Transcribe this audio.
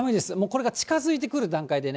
これが近づいてくる段階でね。